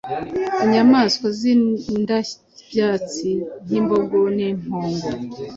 inyamaswa z’indyabyatsi nk’imbogo n’impongo